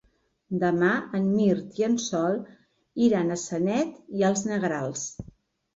Demà en Mirt i en Sol iran a Sanet i els Negrals.